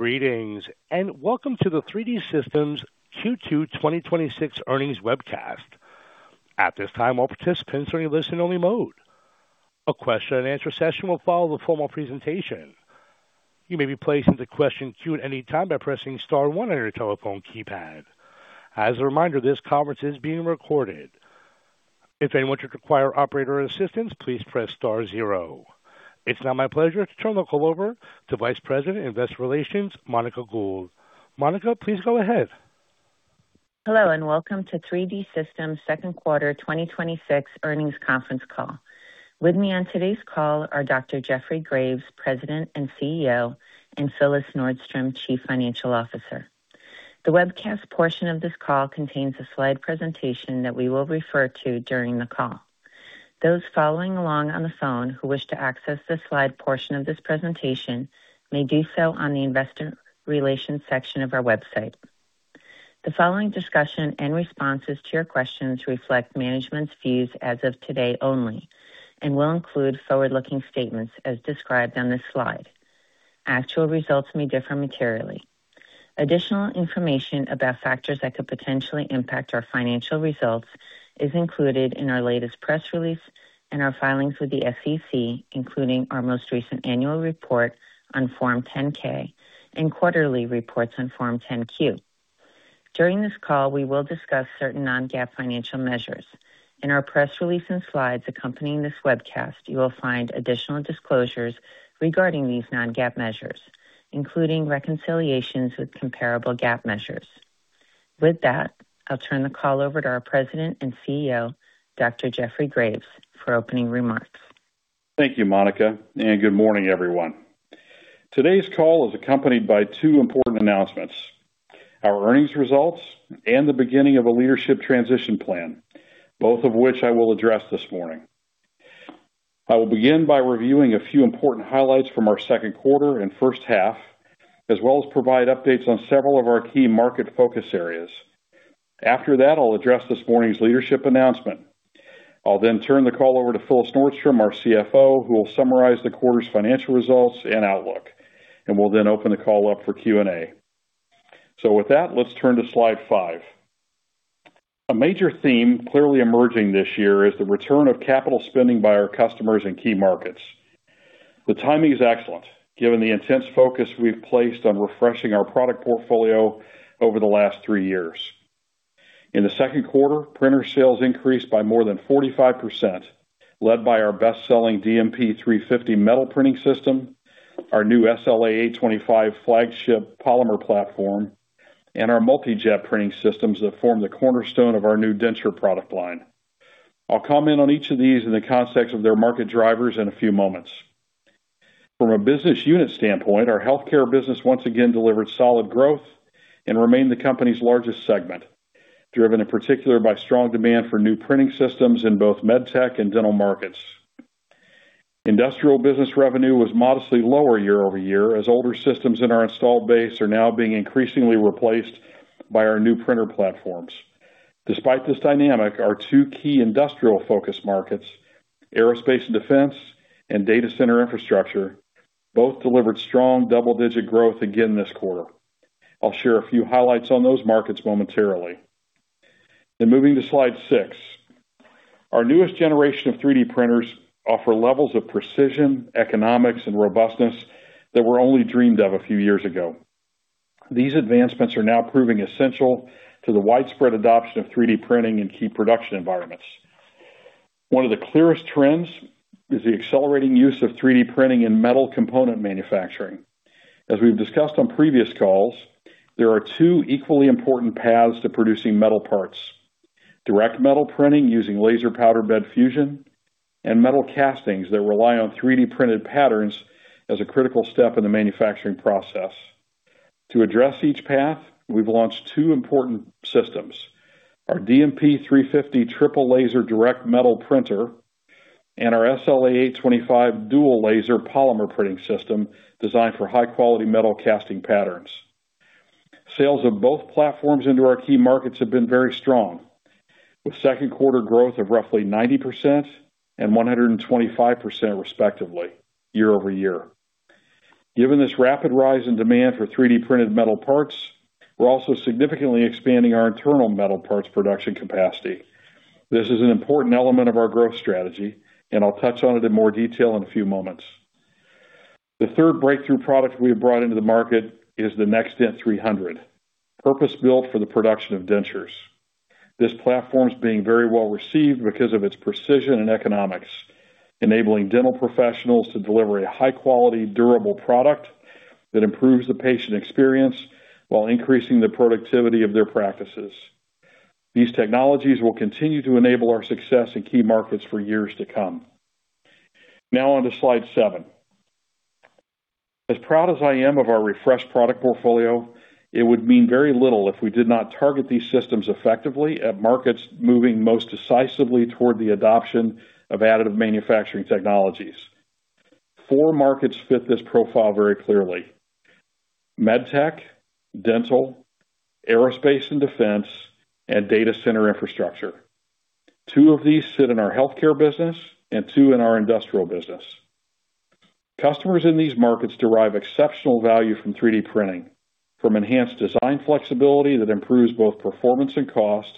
Greetings. Welcome to the 3D Systems Q2 2026 earnings webcast. At this time, all participants are in listen only mode. A question and answer session will follow the formal presentation. You may be placed into question queue at any time by pressing star one on your telephone keypad. As a reminder, this conference is being recorded. If anyone should require operator assistance, please press star zero. It's now my pleasure to turn the call over to Vice President of Investor Relations, Monica Gould. Monica, please go ahead. Hello. Welcome to 3D Systems Q2 2026 earnings conference call. With me on today's call are Dr. Jeffrey Graves, President and CEO, and Phyllis Nordstrom, Chief Financial Officer. The webcast portion of this call contains a slide presentation that we will refer to during the call. Those following along on the phone who wish to access the slide portion of this presentation may do so on the investor relations section of our website. The following discussion and responses to your questions reflect management's views as of today only and will include forward-looking statements as described on this slide. Actual results may differ materially. Additional information about factors that could potentially impact our financial results is included in our latest press release and our filings with the SEC, including our most recent annual report on Form 10-K and quarterly reports on Form 10-Q. During this call, we will discuss certain non-GAAP financial measures. In our press release and slides accompanying this webcast, you will find additional disclosures regarding these non-GAAP measures, including reconciliations with comparable GAAP measures. With that, I'll turn the call over to our President and CEO, Dr. Jeffrey Graves, for opening remarks. Thank you, Monica. Good morning, everyone. Today's call is accompanied by two important announcements: our earnings results and the beginning of a leadership transition plan, both of which I will address this morning. I will begin by reviewing a few important highlights from our Q2 and H1, as well as provide updates on several of our key market focus areas. After that, I'll address this morning's leadership announcement. I'll then turn the call over to Phyllis Nordstrom, our CFO, who will summarize the quarter's financial results and outlook, and will then open the call up for Q&A. With that, let's turn to slide five. A major theme clearly emerging this year is the return of capital spending by our customers in key markets. The timing is excellent, given the intense focus we've placed on refreshing our product portfolio over the last three years. In the Q2, printer sales increased by more than 45%, led by our best-selling DMP 350 metal printing system, our new SLA 825 flagship polymer platform, and our MultiJet printing systems that form the cornerstone of our new denture product line. I'll comment on each of these in the context of their market drivers in a few moments. From a business unit standpoint, our healthcare business once again delivered solid growth and remained the company's largest segment, driven in particular by strong demand for new printing systems in both med tech and dental markets. Industrial business revenue was modestly lower year-over-year as older systems in our installed base are now being increasingly replaced by our new printer platforms. Despite this dynamic, our two key industrial focus markets, aerospace and defense and data center infrastructure, both delivered strong double-digit growth again this quarter. I'll share a few highlights on those markets momentarily. Moving to slide six. Our newest generation of 3D printers offer levels of precision, economics, and robustness that were only dreamed of a few years ago. These advancements are now proving essential to the widespread adoption of 3D printing in key production environments. One of the clearest trends is the accelerating use of 3D printing in metal component manufacturing. As we've discussed on previous calls, there are two equally important paths to producing metal parts. Direct metal printing using laser powder bed fusion and metal castings that rely on 3D-printed patterns as a critical step in the manufacturing process. To address each path, we've launched two important systems. Our DMP 350 triple laser direct metal printer and our SLA 825 dual laser polymer printing system designed for high-quality metal casting patterns. Sales of both platforms into our key markets have been very strong, with Q2 growth of roughly 90% and 125% respectively year-over-year. Given this rapid rise in demand for 3D-printed metal parts, we're also significantly expanding our internal metal parts production capacity. This is an important element of our growth strategy, and I'll touch on it in more detail in a few moments. The third breakthrough product we have brought into the market is the NextDent 300, purpose-built for the production of dentures. This platform is being very well received because of its precision and economics, enabling dental professionals to deliver a high-quality, durable product that improves the patient experience while increasing the productivity of their practices. These technologies will continue to enable our success in key markets for years to come. On to slide seven. As proud as I am of our refreshed product portfolio, it would mean very little if we did not target these systems effectively at markets moving most decisively toward the adoption of additive manufacturing technologies. Four markets fit this profile very clearly. Med tech, dental, aerospace and defense, and data center infrastructure. Two of these sit in our healthcare business and two in our industrial business. Customers in these markets derive exceptional value from 3D printing, from enhanced design flexibility that improves both performance and cost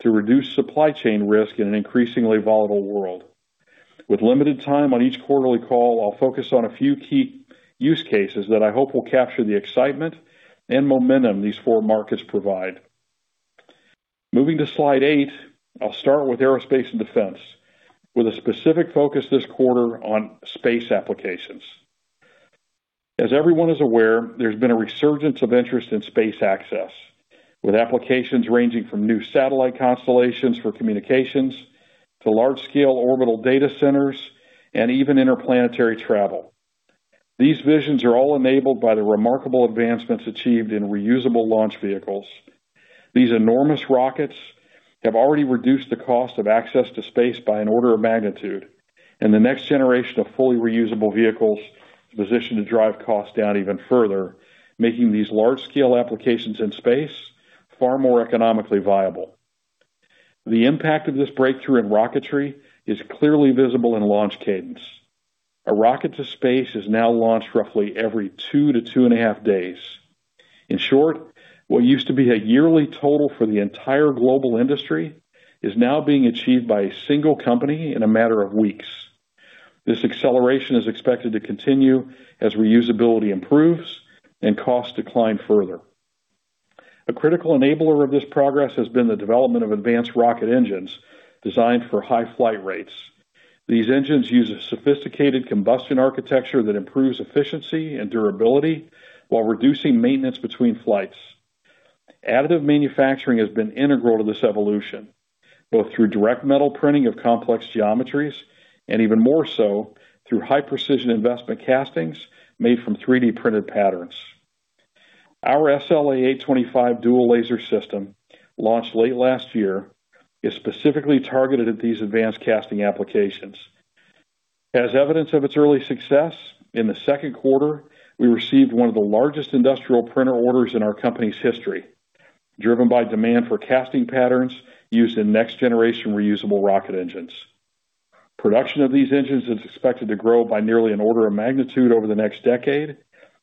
to reduce supply chain risk in an increasingly volatile world. With limited time on each quarterly call, I'll focus on a few key use cases that I hope will capture the excitement and momentum these four markets provide. Moving to slide eight, I'll start with aerospace and defense, with a specific focus this quarter on space applications. As everyone is aware, there's been a resurgence of interest in space access, with applications ranging from new satellite constellations for communications to large-scale orbital data centers and even interplanetary travel. These visions are all enabled by the remarkable advancements achieved in reusable launch vehicles. These enormous rockets have already reduced the cost of access to space by an order of magnitude, and the next generation of fully reusable vehicles is positioned to drive costs down even further, making these large-scale applications in space far more economically viable. The impact of this breakthrough in rocketry is clearly visible in launch cadence. A rocket to space is now launched roughly every two to two and a half days. In short, what used to be a yearly total for the entire global industry is now being achieved by a single company in a matter of weeks. This acceleration is expected to continue as reusability improves and costs decline further. A critical enabler of this progress has been the development of advanced rocket engines designed for high flight rates. These engines use a sophisticated combustion architecture that improves efficiency and durability while reducing maintenance between flights. Additive manufacturing has been integral to this evolution, both through direct metal printing of complex geometries and even more so through high-precision investment castings made from 3D-printed patterns. Our SLA825 dual laser system, launched late last year, is specifically targeted at these advanced casting applications. As evidence of its early success, in the Q2, we received one of the largest industrial printer orders in our company's history, driven by demand for casting patterns used in next-generation reusable rocket engines. Production of these engines is expected to grow by nearly an order of magnitude over the next decade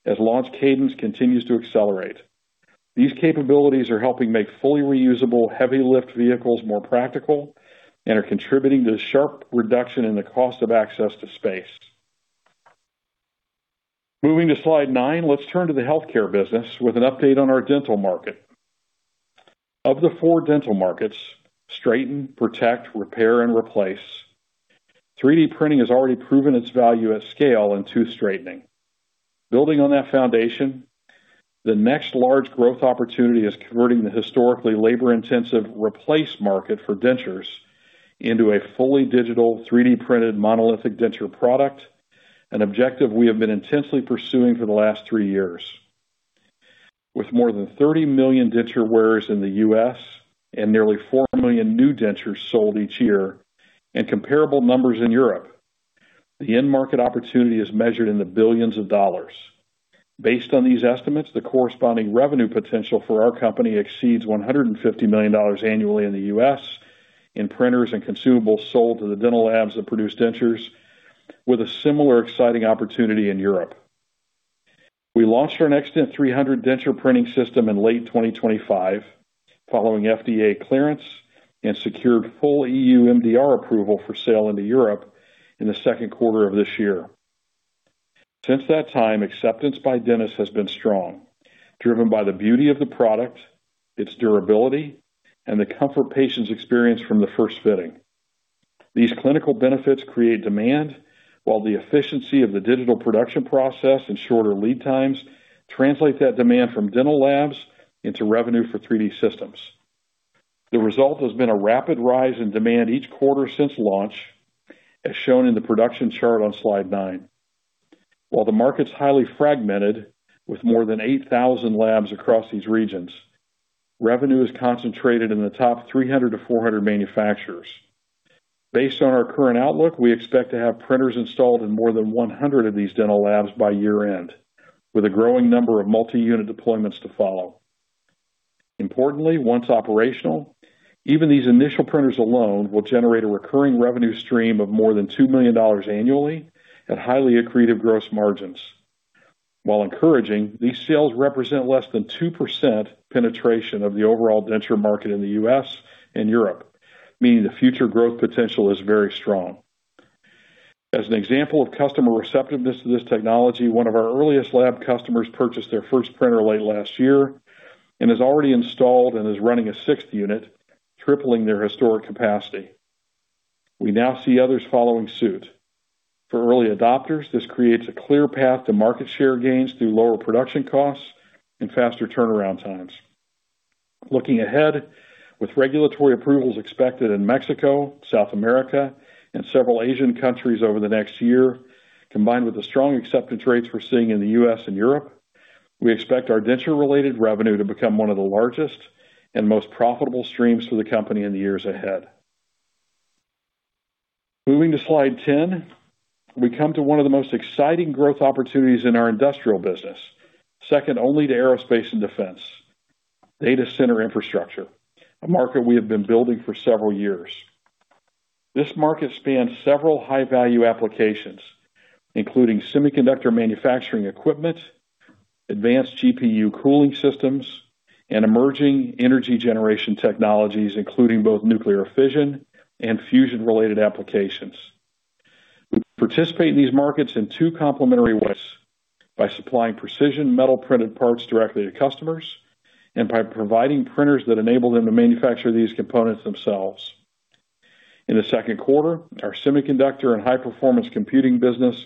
as launch cadence continues to accelerate. These capabilities are helping make fully reusable heavy lift vehicles more practical and are contributing to a sharp reduction in the cost of access to space. Moving to slide nine, let's turn to the healthcare business with an update on our dental market. Of the four dental markets, straighten, protect, repair, and replace, 3D printing has already proven its value at scale in tooth straightening. Building on that foundation, the next large growth opportunity is converting the historically labor-intensive replace market for dentures into a fully digital 3D-printed monolithic denture product, an objective we have been intensely pursuing for the last three years. With more than 30 million denture wearers in the U.S. and nearly four million new dentures sold each year and comparable numbers in Europe, the end market opportunity is measured in the billions of dollars. Based on these estimates, the corresponding revenue potential for our company exceeds $150 million annually in the U.S. in printers and consumables sold to the dental labs that produce dentures with a similar exciting opportunity in Europe. We launched our NextDent 300 denture printing system in late 2025 following FDA clearance and secured full EU MDR approval for sale into Europe in the Q2 of this year. Since that time, acceptance by dentists has been strong, driven by the beauty of the product, its durability, and the comfort patients experience from the first fitting. These clinical benefits create demand, while the efficiency of the digital production process and shorter lead times translate that demand from dental labs into revenue for 3D Systems. The result has been a rapid rise in demand each quarter since launch, as shown in the production chart on slide nine. While the market's highly fragmented with more than 8,000 labs across these regions, revenue is concentrated in the top 300-400 manufacturers. Based on our current outlook, we expect to have printers installed in more than 100 of these dental labs by year-end, with a growing number of multi-unit deployments to follow. Importantly, once operational, even these initial printers alone will generate a recurring revenue stream of more than $2 million annually at highly accretive gross margins. While encouraging, these sales represent less than 2% penetration of the overall denture market in the U.S. and Europe, meaning the future growth potential is very strong. As an example of customer receptiveness to this technology, one of our earliest lab customers purchased their first printer late last year and has already installed and is running a sixth unit, tripling their historic capacity. We now see others following suit. For early adopters, this creates a clear path to market share gains through lower production costs and faster turnaround times. Looking ahead, with regulatory approvals expected in Mexico, South America, and several Asian countries over the next year, combined with the strong acceptance rates we're seeing in the U.S. and Europe, we expect our denture-related revenue to become one of the largest and most profitable streams for the company in the years ahead. Moving to slide 10, we come to one of the most exciting growth opportunities in our industrial business, second only to aerospace and defense, data center infrastructure, a market we have been building for several years. This market spans several high-value applications, including semiconductor manufacturing equipment, advanced GPU cooling systems, and emerging energy generation technologies, including both nuclear fission and fusion-related applications. We participate in these markets in two complementary ways, by supplying precision metal-printed parts directly to customers and by providing printers that enable them to manufacture these components themselves. In the Q2, our semiconductor and high-performance computing business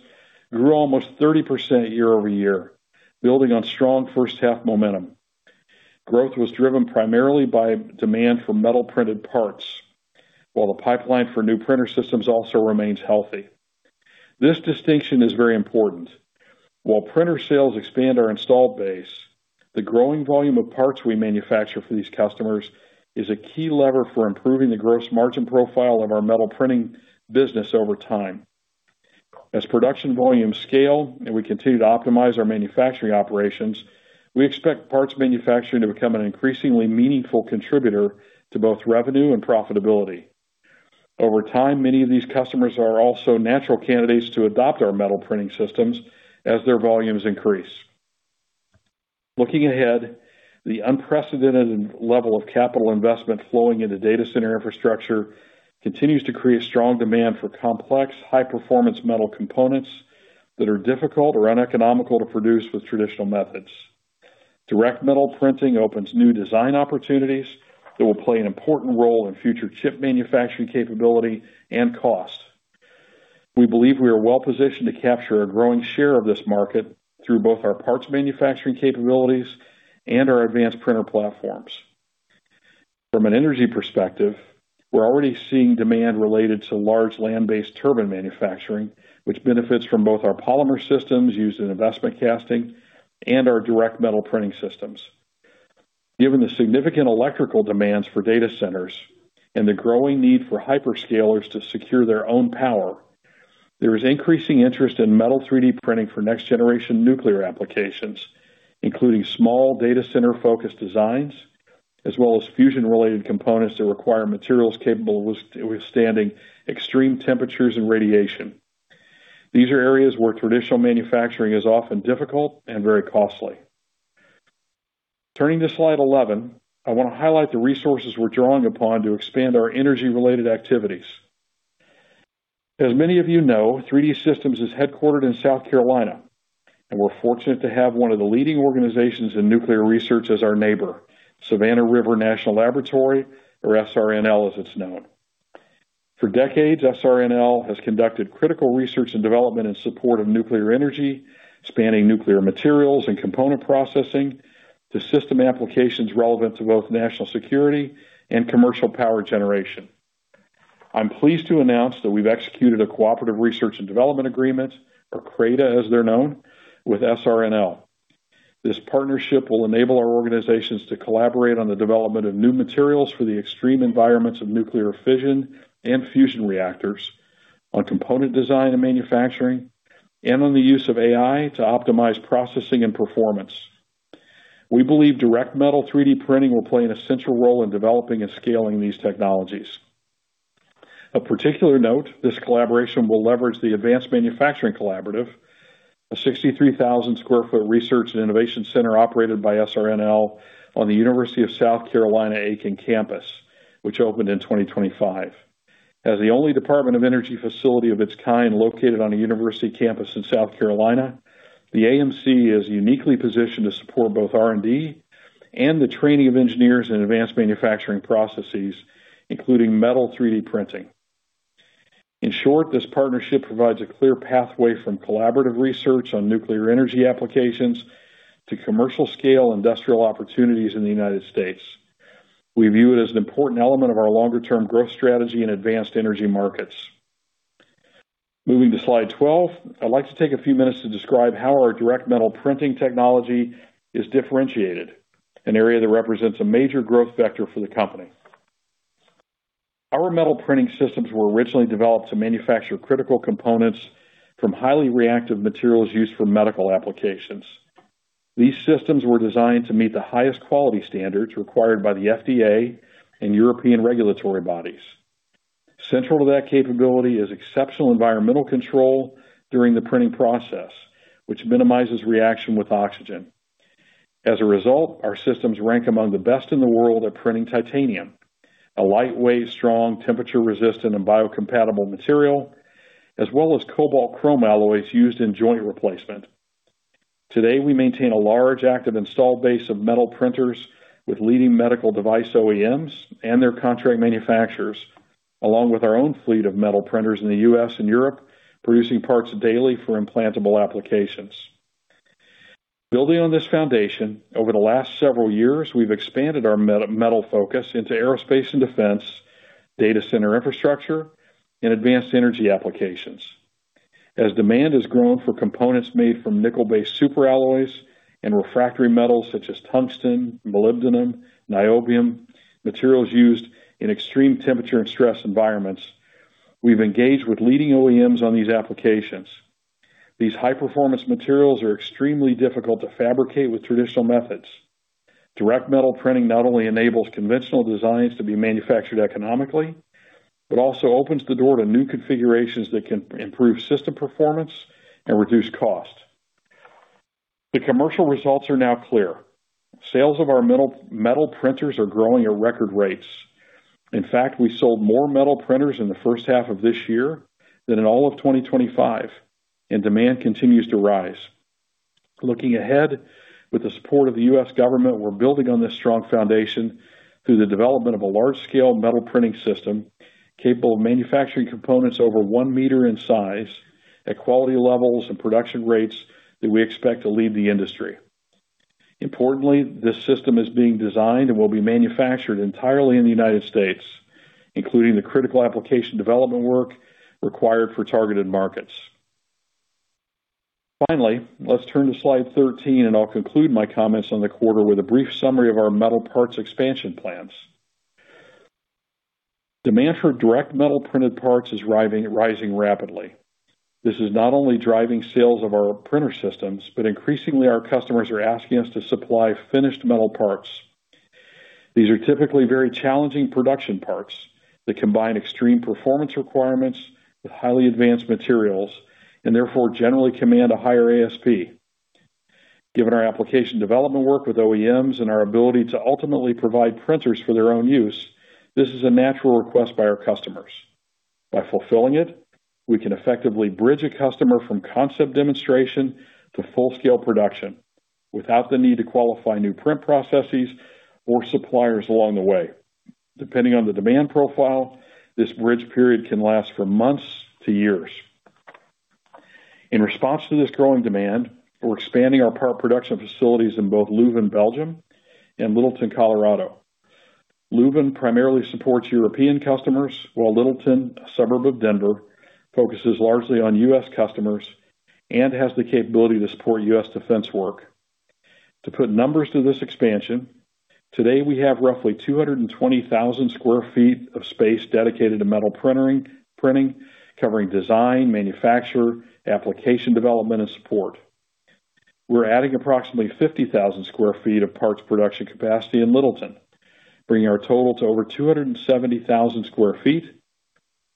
grew almost 30% year-over-year, building on strong H1 momentum. Growth was driven primarily by demand for metal-printed parts, while the pipeline for new printer systems also remains healthy. This distinction is very important. While printer sales expand our installed base, the growing volume of parts we manufacture for these customers is a key lever for improving the gross margin profile of our metal printing business over time. As production volumes scale and we continue to optimize our manufacturing operations, we expect parts manufacturing to become an increasingly meaningful contributor to both revenue and profitability. Over time, many of these customers are also natural candidates to adopt our metal printing systems as their volumes increase. Looking ahead, the unprecedented level of capital investment flowing into data center infrastructure continues to create strong demand for complex, high-performance metal components that are difficult or uneconomical to produce with traditional methods. Direct Metal Printing opens new design opportunities that will play an important role in future chip manufacturing capability and cost. We believe we are well-positioned to capture a growing share of this market through both our parts manufacturing capabilities and our advanced printer platforms. From an energy perspective, we're already seeing demand related to large land-based turbine manufacturing, which benefits from both our polymer systems used in investment casting and our direct metal printing systems. Given the significant electrical demands for data centers and the growing need for hyperscalers to secure their own power, there is increasing interest in metal 3D printing for next-generation nuclear applications, including small data center-focused designs, as well as fusion-related components that require materials capable of withstanding extreme temperatures and radiation. These are areas where traditional manufacturing is often difficult and very costly. Turning to slide 11, I want to highlight the resources we're drawing upon to expand our energy-related activities. As many of you know, 3D Systems is headquartered in South Carolina, we're fortunate to have one of the leading organizations in nuclear research as our neighbor, Savannah River National Laboratory, or SRNL as it's known. For decades, SRNL has conducted critical research and development in support of nuclear energy, spanning nuclear materials and component processing to system applications relevant to both national security and commercial power generation. I'm pleased to announce that we've executed a cooperative research and development agreement, or CRADA as they're known, with SRNL. This partnership will enable our organizations to collaborate on the development of new materials for the extreme environments of nuclear fission and fusion reactors on component design and manufacturing, on the use of AI to optimize processing and performance. We believe direct metal 3D printing will play an essential role in developing and scaling these technologies. Of particular note, this collaboration will leverage the Advanced Manufacturing Collaborative, a 63,000 sq ft research and innovation center operated by SRNL on the University of South Carolina Aiken campus, which opened in 2025. As the only U.S. Department of Energy facility of its kind located on a university campus in South Carolina, the AMC is uniquely positioned to support both R&D and the training of engineers in advanced manufacturing processes, including metal 3D printing. In short, this partnership provides a clear pathway from collaborative research on nuclear energy applications to commercial scale industrial opportunities in the U.S. We view it as an important element of our longer-term growth strategy in advanced energy markets. Moving to slide 12, I'd like to take a few minutes to describe how our direct metal printing technology is differentiated, an area that represents a major growth vector for the company. Our metal printing systems were originally developed to manufacture critical components from highly reactive materials used for medical applications. These systems were designed to meet the highest quality standards required by the FDA and European regulatory bodies. Central to that capability is exceptional environmental control during the printing process, which minimizes reaction with oxygen. As a result, our systems rank among the best in the world at printing titanium, a lightweight, strong, temperature-resistant, and biocompatible material, as well as cobalt chrome alloys used in joint replacement. Today, we maintain a large active installed base of metal printers with leading medical device OEMs and their contract manufacturers, along with our own fleet of metal printers in the U.S. and Europe, producing parts daily for implantable applications. Building on this foundation, over the last several years, we've expanded our metal focus into aerospace and defense, data center infrastructure, and advanced energy applications. As demand has grown for components made from nickel-based superalloys and refractory metals such as tungsten, molybdenum, niobium, materials used in extreme temperature and stress environments, we've engaged with leading OEMs on these applications. These high-performance materials are extremely difficult to fabricate with traditional methods. Direct metal printing not only enables conventional designs to be manufactured economically, but also opens the door to new configurations that can improve system performance and reduce cost. The commercial results are now clear. Sales of our metal printers are growing at record rates. In fact, we sold more metal printers in the H1 of this year than in all of 2025, and demand continues to rise. Looking ahead, with the support of the U.S. government, we're building on this strong foundation through the development of a large-scale metal printing system capable of manufacturing components over one meter in size at quality levels and production rates that we expect to lead the industry. Importantly, this system is being designed and will be manufactured entirely in the United States, including the critical application development work required for targeted markets. Finally, let's turn to slide 13, and I'll conclude my comments on the quarter with a brief summary of our metal parts expansion plans. Demand for direct metal printed parts is rising rapidly. This is not only driving sales of our printer systems, but increasingly our customers are asking us to supply finished metal parts. These are typically very challenging production parts that combine extreme performance requirements with highly advanced materials, and therefore, generally command a higher ASP. Given our application development work with OEMs and our ability to ultimately provide printers for their own use, this is a natural request by our customers. By fulfilling it, we can effectively bridge a customer from concept demonstration to full-scale production without the need to qualify new print processes or suppliers along the way. Depending on the demand profile, this bridge period can last for months to years. In response to this growing demand, we're expanding our part production facilities in both Leuven, Belgium, and Littleton, Colorado. Leuven primarily supports European customers, while Littleton, a suburb of Denver, focuses largely on U.S. customers and has the capability to support U.S. defense work. To put numbers to this expansion, today we have roughly 220,000 sq ft of space dedicated to metal printing, covering design, manufacture, application development, and support. We're adding approximately 50,000 sq ft of parts production capacity in Littleton, bringing our total to over 270,000 sq ft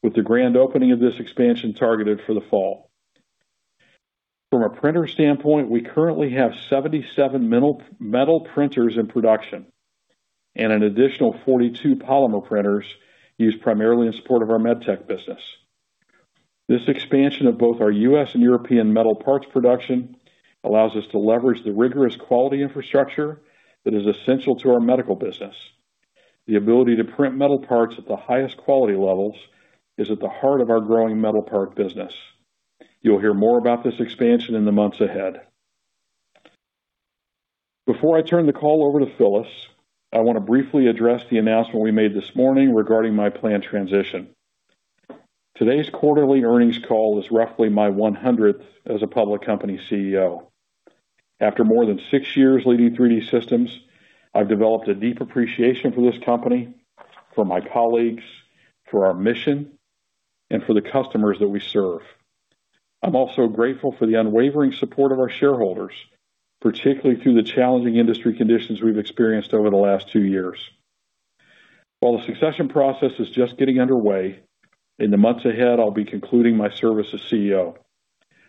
with the grand opening of this expansion targeted for the fall. From a printer standpoint, we currently have 77 metal printers in production and an additional 42 polymer printers used primarily in support of our med tech business. This expansion of both our U.S. and European metal parts production allows us to leverage the rigorous quality infrastructure that is essential to our medical business. The ability to print metal parts at the highest quality levels is at the heart of our growing metal part business. You'll hear more about this expansion in the months ahead. Before I turn the call over to Phyllis, I want to briefly address the announcement we made this morning regarding my planned transition. Today's quarterly earnings call is roughly my 100th as a public company CEO. After more than six years leading 3D Systems, I've developed a deep appreciation for this company, for my colleagues, for our mission, and for the customers that we serve. I'm also grateful for the unwavering support of our shareholders, particularly through the challenging industry conditions we've experienced over the last two years. While the succession process is just getting underway, in the months ahead, I'll be concluding my service as CEO.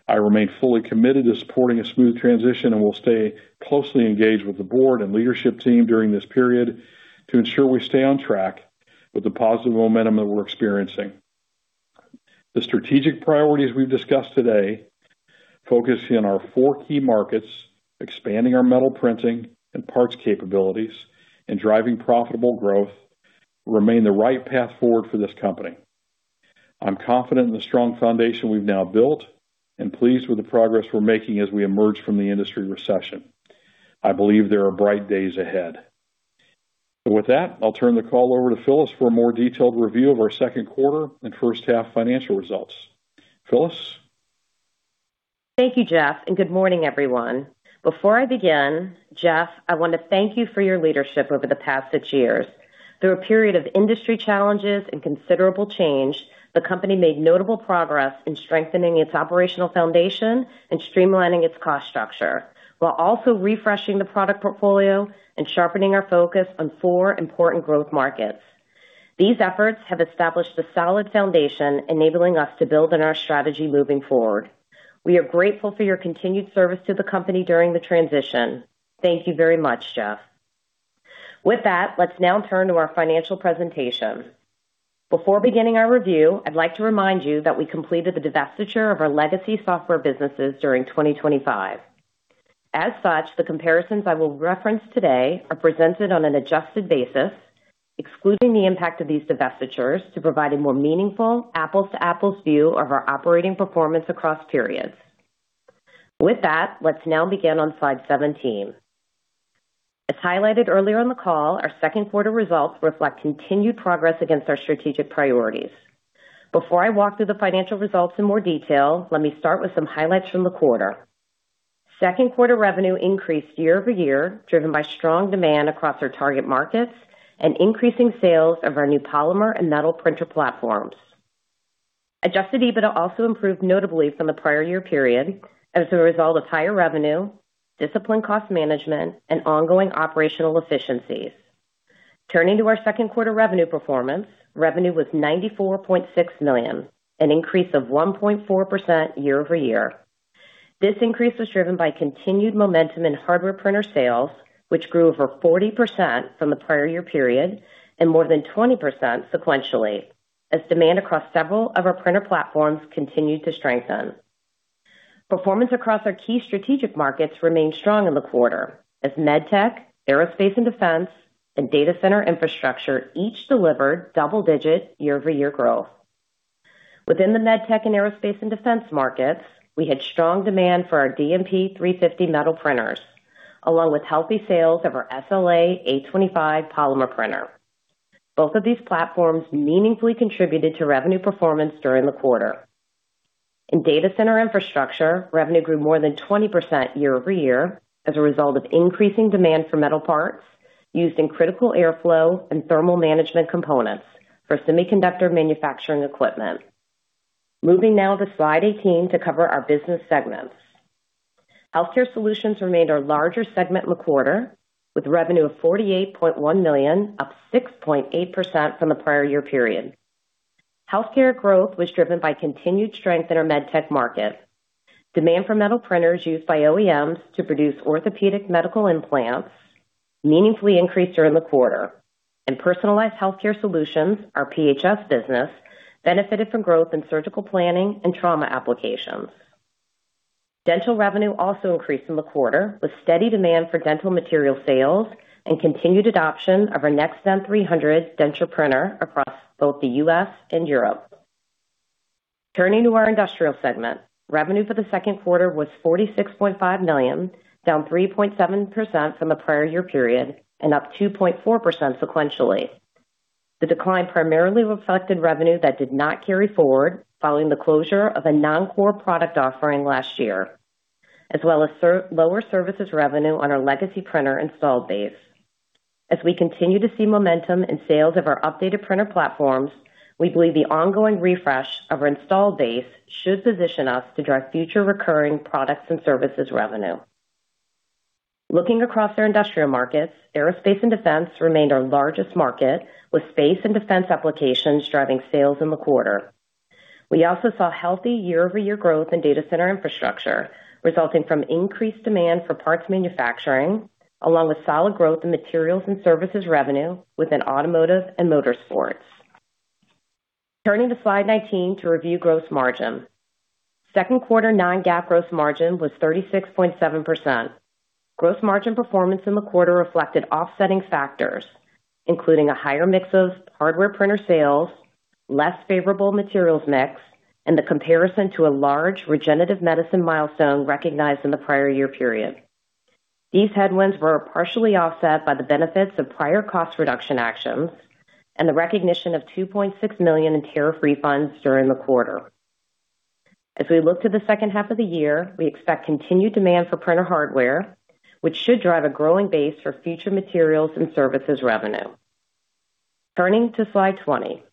I remain fully committed to supporting a smooth transition and will stay closely engaged with the board and leadership team during this period to ensure we stay on track with the positive momentum that we're experiencing. The strategic priorities we've discussed today focus in our four key markets, expanding our metal printing and parts capabilities, and driving profitable growth remain the right path forward for this company. I'm confident in the strong foundation we've now built and pleased with the progress we're making as we emerge from the industry recession. I believe there are bright days ahead. With that, I'll turn the call over to Phyllis for a more detailed review of our Q2 and first-half financial results. Phyllis? Thank you, Jeffrey, and good morning, everyone. Before I begin, Jeffrey, I want to thank you for your leadership over the past six years. Through a period of industry challenges and considerable change, the company made notable progress in strengthening its operational foundation and streamlining its cost structure while also refreshing the product portfolio and sharpening our focus on four important growth markets. These efforts have established a solid foundation enabling us to build on our strategy moving forward. We are grateful for your continued service to the company during the transition. Thank you very much, Jeffrey. With that, let's now turn to our financial presentation. Before beginning our review, I'd like to remind you that we completed the divestiture of our legacy software businesses during 2025. As such, the comparisons I will reference today are presented on an adjusted basis, excluding the impact of these divestitures to provide a more meaningful apples-to-apples view of our operating performance across periods. With that, let's now begin on slide 17. As highlighted earlier in the call, our Q2 results reflect continued progress against our strategic priorities. Before I walk through the financial results in more detail, let me start with some highlights from the quarter. Q2 revenue increased year-over-year, driven by strong demand across our target markets and increasing sales of our new polymer and metal printer platforms. Adjusted EBITDA also improved notably from the prior year period as a result of higher revenue, disciplined cost management, and ongoing operational efficiencies. Turning to our Q2 revenue performance. Revenue was $94.6 million, an increase of 1.4% year-over-year. This increase was driven by continued momentum in hardware printer sales, which grew over 40% from the prior year period and more than 20% sequentially, as demand across several of our printer platforms continued to strengthen. Performance across our key strategic markets remained strong in the quarter as med tech, aerospace and defense, and data center infrastructure each delivered double digit year-over-year growth. Within the med tech and aerospace and defense markets, we had strong demand for our DMP 350 metal printers, along with healthy sales of our SLA 825 polymer printer. Both of these platforms meaningfully contributed to revenue performance during the quarter. In data center infrastructure, revenue grew more than 20% year-over-year as a result of increasing demand for metal parts used in critical airflow and thermal management components for semiconductor manufacturing equipment. Moving now to slide 18 to cover our business segments. Healthcare solutions remained our larger segment in the quarter, with revenue of $48.1 million, up 6.8% from the prior year period. Healthcare growth was driven by continued strength in our med tech market. Demand for metal printers used by OEMs to produce orthopedic medical implants meaningfully increased during the quarter. Personalized Healthcare Solutions, our PHS business, benefited from growth in surgical planning and trauma applications. Dental revenue also increased in the quarter, with steady demand for dental material sales and continued adoption of our NextDent 300 denture printer across both the U.S. and Europe. Turning to our industrial segment. Revenue for the Q2 was $46.5 million, down 3.7% from the prior year period and up 2.4% sequentially. The decline primarily reflected revenue that did not carry forward following the closure of a non-core product offering last year, as well as lower services revenue on our legacy printer installed base. As we continue to see momentum in sales of our updated printer platforms, we believe the ongoing refresh of our installed base should position us to drive future recurring products and services revenue. Looking across our industrial markets, aerospace and defense remained our largest market, with space and defense applications driving sales in the quarter. We also saw healthy year-over-year growth in data center infrastructure, resulting from increased demand for parts manufacturing, along with solid growth in materials and services revenue within automotive and motorsports. Turning to slide 19 to review gross margin. Q2 non-GAAP gross margin was 36.7%. Gross margin performance in the quarter reflected offsetting factors, including a higher mix of hardware printer sales, less favorable materials mix, and the comparison to a large regenerative medicine milestone recognized in the prior year period. These headwinds were partially offset by the benefits of prior cost reduction actions and the recognition of $2.6 million in tariff refunds during the quarter. As we look to the H2 of the year, we expect continued demand for printer hardware, which should drive a growing base for future materials and services revenue. Turning to slide 20.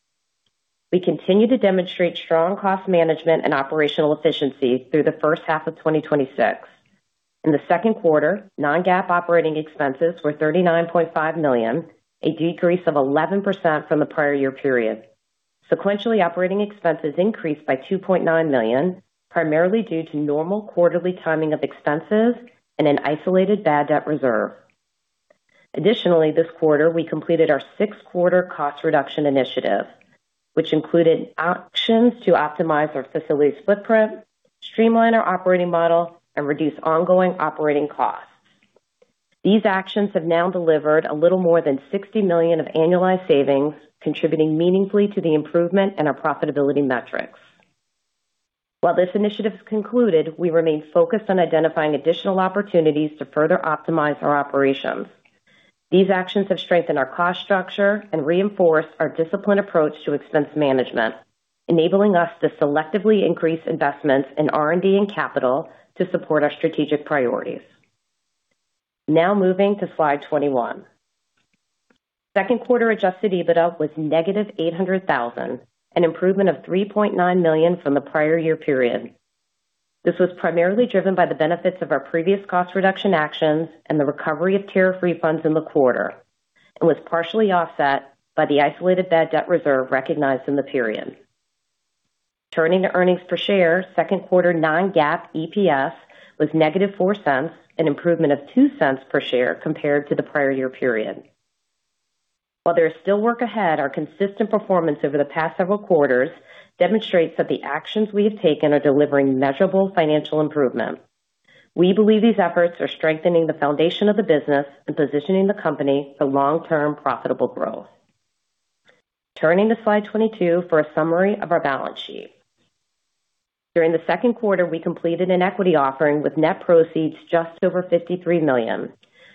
We continue to demonstrate strong cost management and operational efficiencies through the H1 of 2026. In the Q2, non-GAAP operating expenses were $39.5 million, a decrease of 11% from the prior year period. Sequentially, operating expenses increased by $2.9 million, primarily due to normal quarterly timing of expenses and an isolated bad debt reserve. Additionally, this quarter we completed our six-quarter cost reduction initiative, which included actions to optimize our facilities footprint, streamline our operating model, and reduce ongoing operating costs. These actions have now delivered a little more than $60 million of annualized savings, contributing meaningfully to the improvement in our profitability metrics. While this initiative is concluded, we remain focused on identifying additional opportunities to further optimize our operations. These actions have strengthened our cost structure and reinforced our disciplined approach to expense management, enabling us to selectively increase investments in R&D and capital to support our strategic priorities. Now moving to slide 21. Q2 adjusted EBITDA was -$800,000, an improvement of $3.9 million from the prior year period. This was primarily driven by the benefits of our previous cost reduction actions and the recovery of tariff refunds in the quarter and was partially offset by the isolated bad debt reserve recognized in the period. Turning to earnings per share. Q2 non-GAAP EPS was -$0.04, an improvement of $0.02 per share compared to the prior year period. While there is still work ahead, our consistent performance over the past several quarters demonstrates that the actions we have taken are delivering measurable financial improvement. We believe these efforts are strengthening the foundation of the business and positioning the company for long-term profitable growth. Turning to slide 22 for a summary of our balance sheet. During the Q2, we completed an equity offering with net proceeds just over $53 million,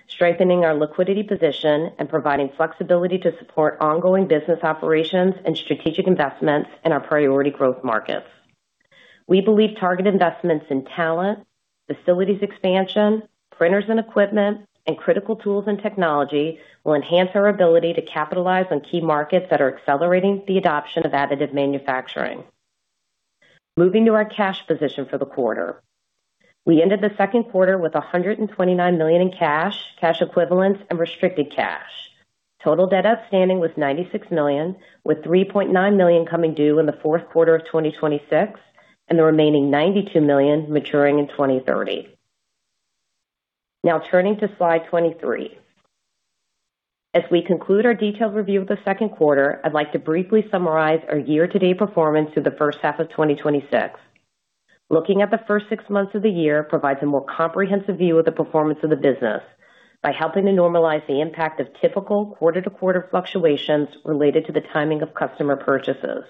strengthening our liquidity position and providing flexibility to support ongoing business operations and strategic investments in our priority growth markets. We believe targeted investments in talent, facilities expansion, printers and equipment, and critical tools and technology will enhance our ability to capitalize on key markets that are accelerating the adoption of additive manufacturing. Moving to our cash position for the quarter. We ended the Q2 with $129 million in cash equivalents, and restricted cash. Total debt outstanding was $96 million, with $3.9 million coming due in the Q4 of 2026 and the remaining $92 million maturing in 2030. Now turning to slide 23. As we conclude our detailed review of the Q2, I'd like to briefly summarize our year-to-date performance through the H1 of 2026. Looking at the first six months of the year provides a more comprehensive view of the performance of the business by helping to normalize the impact of typical quarter-to-quarter fluctuations related to the timing of customer purchases.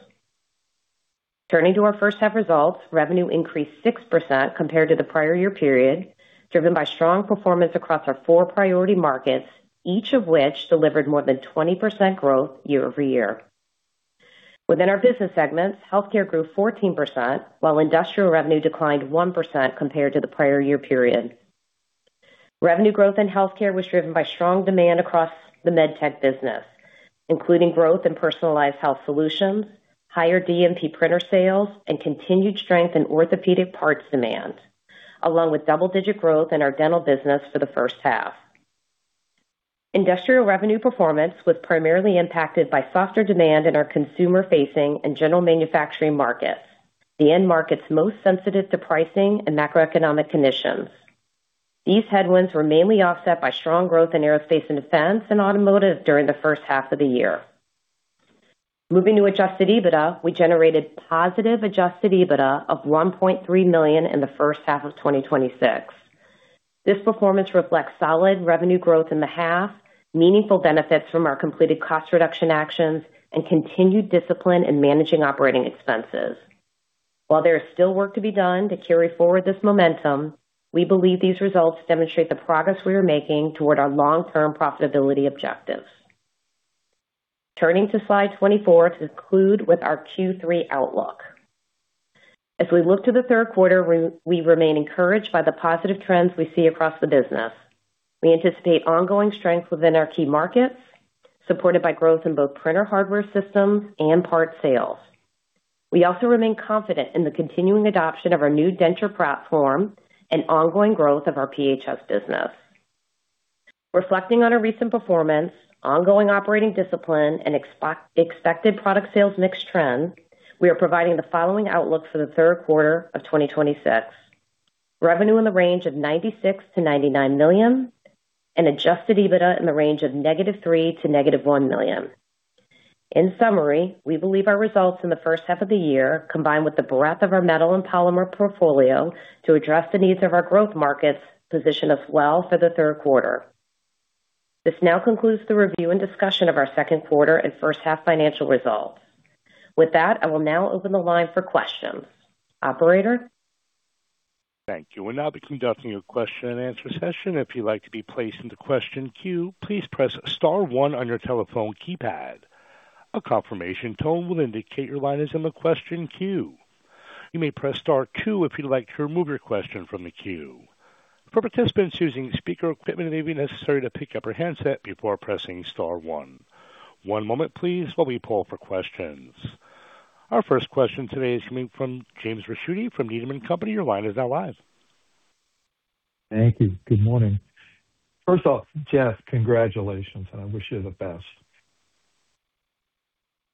Turning to our H1 results, revenue increased 6% compared to the prior year period, driven by strong performance across our four priority markets, each of which delivered more than 20% growth year-over-year. Within our business segments, healthcare grew 14%, while industrial revenue declined 1% compared to the prior year period. Revenue growth in healthcare was driven by strong demand across the med tech business, including growth in personalized health solutions, higher DMP printer sales, and continued strength in orthopedic parts demand, along with double-digit growth in our dental business for the H1. Industrial revenue performance was primarily impacted by softer demand in our consumer-facing and general manufacturing markets, the end markets most sensitive to pricing and macroeconomic conditions. These headwinds were mainly offset by strong growth in aerospace and defense and automotive during the H1 of the year. Moving to adjusted EBITDA, we generated positive adjusted EBITDA of $1.3 million in the H1 of 2026. This performance reflects solid revenue growth in the half, meaningful benefits from our completed cost reduction actions, and continued discipline in managing operating expenses. While there is still work to be done to carry forward this momentum, we believe these results demonstrate the progress we are making toward our long-term profitability objectives. Turning to slide 24 to conclude with our Q3 outlook. As we look to the Q3, we remain encouraged by the positive trends we see across the business. We anticipate ongoing strength within our key markets, supported by growth in both printer hardware systems and parts sales. We also remain confident in the continuing adoption of our new denture platform and ongoing growth of our PHS business. Reflecting on our recent performance, ongoing operating discipline, and expected product sales mix trends, we are providing the following outlook for the Q3 of 2026. Revenue in the range of $96 million-$99 million and adjusted EBITDA in the range of -$3 million to -$1 million. In summary, we believe our results in the H1 of the year, combined with the breadth of our metal and polymer portfolio to address the needs of our growth markets, position us well for the Q3. This now concludes the review and discussion of our Q2 and H1 financial results. With that, I will now open the line for questions. Operator? Thank you. We will now be conducting a question and answer session. If you would like to be placed into question queue, please press star one on your telephone keypad. A confirmation tone will indicate your line is in the question queue. You may press star two if you would like to remove your question from the queue. For participants using speaker equipment, it may be necessary to pick up your handset before pressing star one. One moment please while we pull for questions. Our first question today is coming from James Ricchiuti from Needham & Company. Your line is now live. Thank you. Good morning. First off, Jeffrey, congratulations, and I wish you the best.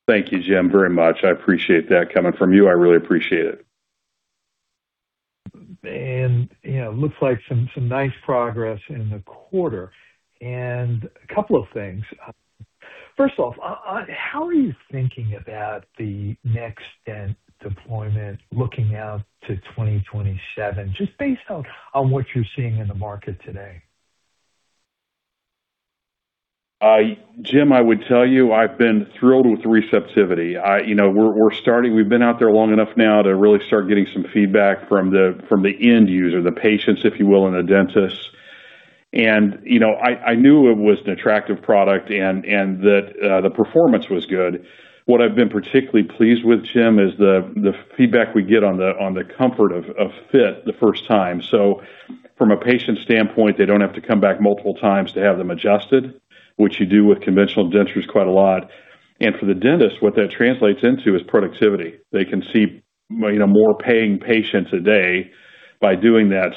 Thank you, James, very much. I appreciate that coming from you. I really appreciate it. It looks like some nice progress in the quarter. A couple of things. First off, how are you thinking about the NextDent deployment looking out to 2027, just based on what you're seeing in the market today? James, I would tell you I've been thrilled with the receptivity. We've been out there long enough now to really start getting some feedback from the end user, the patients, if you will, and the dentists. I knew it was an attractive product and that the performance was good. What I've been particularly pleased with, James, is the feedback we get on the comfort of fit the first time. From a patient standpoint, they don't have to come back multiple times to have them adjusted, which you do with conventional dentures quite a lot. For the dentist, what that translates into is productivity. They can see more paying patients a day by doing that.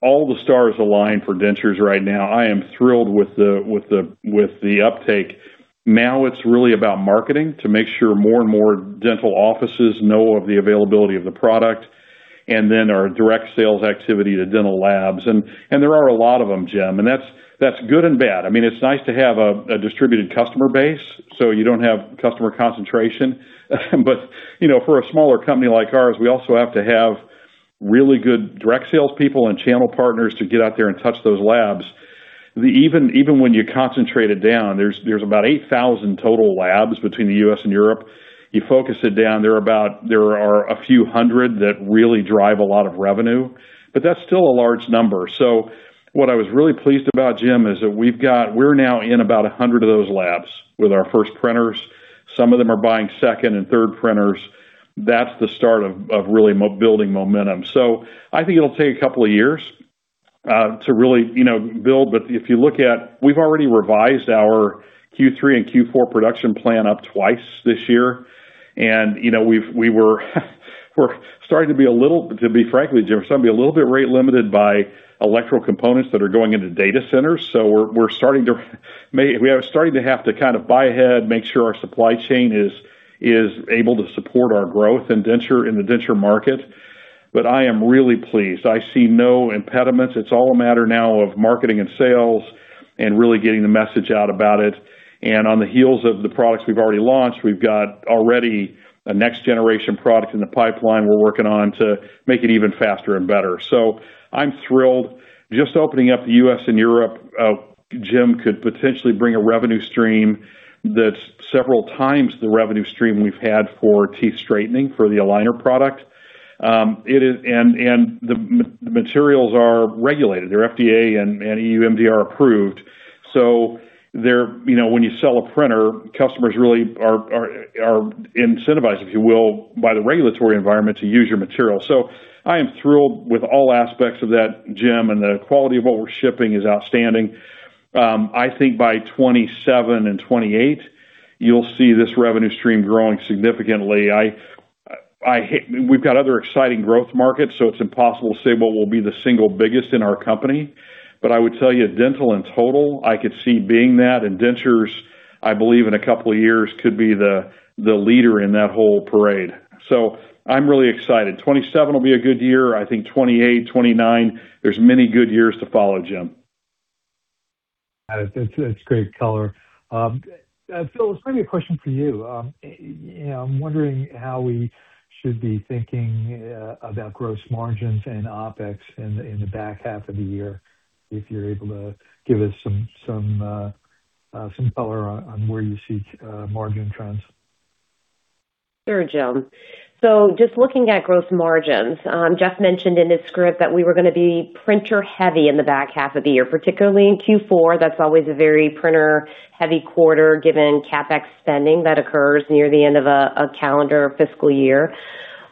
All the stars align for dentures right now. I am thrilled with the uptake. Now it's really about marketing to make sure more and more dental offices know of the availability of the product, then our direct sales activity to dental labs. There are a lot of them, James, and that's good and bad. It's nice to have a distributed customer base, so you don't have customer concentration. For a smaller company like ours, we also have to have Really good direct salespeople and channel partners to get out there and touch those labs. Even when you concentrate it down, there's about 8,000 total labs between the U.S. and Europe. You focus it down, there are a few hundred that really drive a lot of revenue, that's still a large number. What I was really pleased about, James, is that we're now in about 100 of those labs with our first printers. Some of them are buying second and third printers. That's the start of really building momentum. I think it'll take a couple of years to really build. If you look at, we've already revised our Q3 and Q4 production plan up twice this year, and we're starting to be a little, to be frankly, James, rate limited by electrical components that are going into data centers. We're starting to have to buy ahead, make sure our supply chain is able to support our growth in the denture market. I am really pleased. I see no impediments. It's all a matter now of marketing and sales and really getting the message out about it. On the heels of the products we've already launched, we've got already a next generation product in the pipeline we're working on to make it even faster and better. I'm thrilled. Just opening up the U.S. and Europe, James, could potentially bring a revenue stream that's several times the revenue stream we've had for teeth straightening, for the aligner product. The materials are regulated. They're FDA and EU MDR approved, so when you sell a printer, customers really are incentivized, if you will, by the regulatory environment to use your material. I am thrilled with all aspects of that, James, and the quality of what we're shipping is outstanding. I think by 2027 and 2028, you'll see this revenue stream growing significantly. We've got other exciting growth markets, it's impossible to say what will be the single biggest in our company. I would tell you, dental in total, I could see being that, and dentures, I believe in a couple of years could be the leader in that whole parade. I'm really excited. 2027 will be a good year. I think 2028, 2029, there's many good years to follow, James. That's great color. Phyllis, this may be a question for you. I'm wondering how we should be thinking about gross margins and OpEx in the back half of the year, if you're able to give us some color on where you see margin trends. Sure, James. Just looking at gross margins. Jeffrey mentioned in his script that we were going to be printer heavy in the back half of the year, particularly in Q4. That's always a very printer heavy quarter, given CapEx spending that occurs near the end of a calendar fiscal year.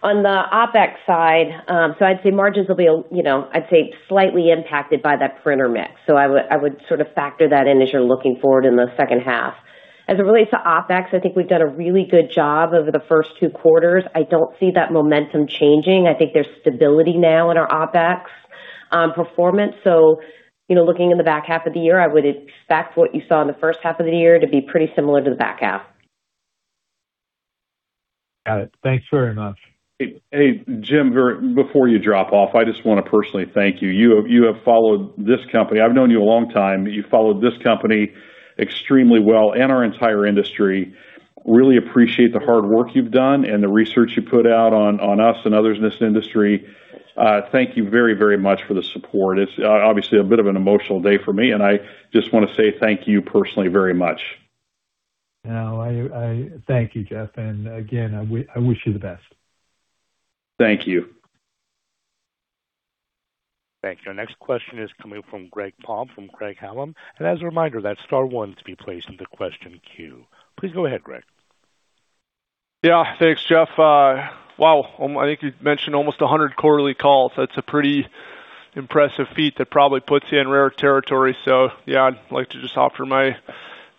On the OpEx side, margins will be slightly impacted by that printer mix. I would factor that in as you're looking forward in the H2. As it relates to OpEx, I think we've done a really good job over the first two quarters. I don't see that momentum changing. I think there's stability now in our OpEx performance. Looking in the back half of the year, I would expect what you saw in the H1 of the year to be pretty similar to the back half. Got it. Thanks very much. Hey, James, before you drop off, I just want to personally thank you. You have followed this company. I've known you a long time. You followed this company extremely well and our entire industry. Really appreciate the hard work you've done and the research you put out on us and others in this industry. Thank you very much for the support. It's obviously a bit of an emotional day for me, and I just want to say thank you personally very much. No, I thank you, Jeffrey, and again, I wish you the best. Thank you. Thank you. Our next question is coming from Greg Palm from Craig-Hallum. As a reminder, that's star one to be placed in the question queue. Please go ahead, Greg. Yeah. Thanks, Jeffrey. Wow. I think you mentioned almost 100 quarterly calls. That's a pretty impressive feat. That probably puts you in rare territory. Yeah, I'd like to just offer my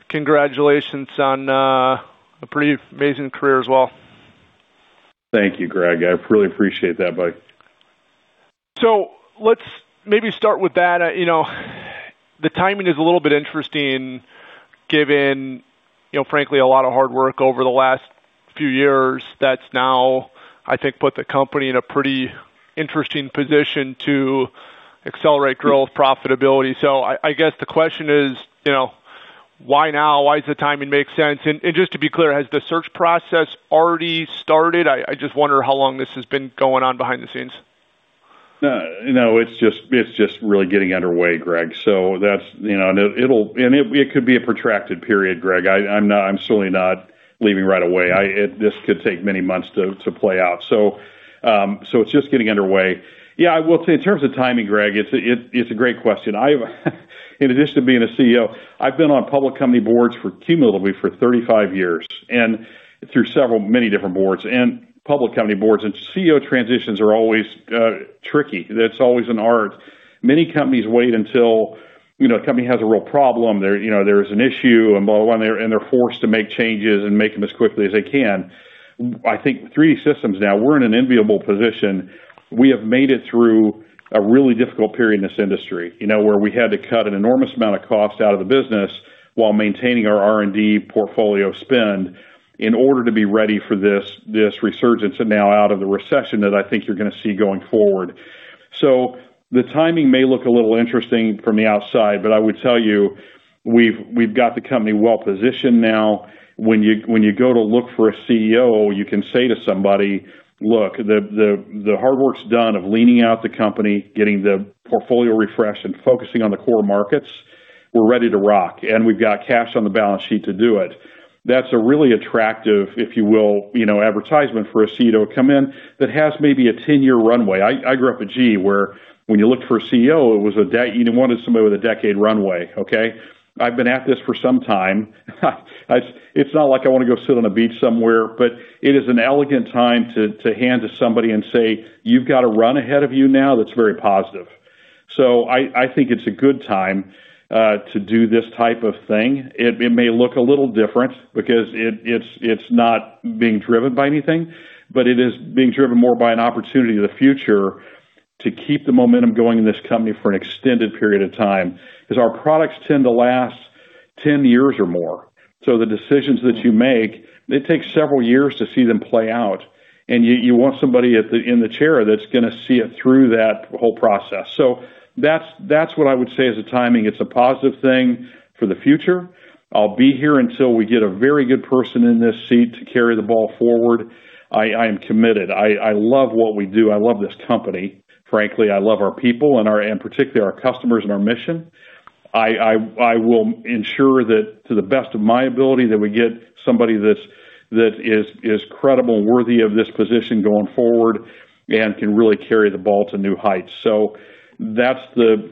congratulations on a pretty amazing career as well. Thank you, Greg. I really appreciate that, bud. Let's maybe start with that. The timing is a little bit interesting given, frankly, a lot of hard work over the last few years that's now, I think, put the company in a pretty interesting position to accelerate growth profitability. I guess the question is, why now? Why does the timing make sense? Just to be clear, has the search process already started? I just wonder how long this has been going on behind the scenes. No, it's just really getting underway, Greg. It could be a protracted period, Greg. I'm certainly not leaving right away. This could take many months to play out. It's just getting underway. I will say in terms of timing, Greg, it's a great question. In addition to being a CEO, I've been on public company boards cumulatively for 35 years, through many different boards and public company boards, CEO transitions are always tricky. It's always an art. Many companies wait until a company has a real problem, there's an issue, and they're forced to make changes and make them as quickly as they can. I think 3D Systems now, we're in an enviable position. We have made it through a really difficult period in this industry, where we had to cut an enormous amount of cost out of the business while maintaining our R&D portfolio spend in order to be ready for this resurgence and now out of the recession that I think you're going to see going forward. The timing may look a little interesting from the outside, but I would tell you, we've got the company well-positioned now. When you go to look for a CEO, you can say to somebody, "Look, the hard work's done of leaning out the company, getting the portfolio refreshed, and focusing on the core markets. We're ready to rock, and we've got cash on the balance sheet to do it." That's a really attractive, if you will, advertisement for a CEO to come in that has maybe a 10-year runway. I grew up at GE, where when you looked for a CEO, you wanted somebody with a decade runway. I've been at this for some time. It's not like I want to go sit on a beach somewhere, but it is an elegant time to hand to somebody and say, "You've got a run ahead of you now that's very positive." I think it's a good time to do this type of thing. It may look a little different because it's not being driven by anything, but it is being driven more by an opportunity to the future to keep the momentum going in this company for an extended period of time, because our products tend to last 10 years or more. The decisions that you make, they take several years to see them play out, and you want somebody in the chair that's going to see it through that whole process. That's what I would say is the timing. It's a positive thing for the future. I'll be here until we get a very good person in this seat to carry the ball forward. I am committed. I love what we do. I love this company, frankly. I love our people and particularly our customers and our mission. I will ensure that to the best of my ability, that we get somebody that is credible, worthy of this position going forward, and can really carry the ball to new heights. That's the